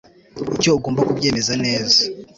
Icyo ugomba kubyemeza neza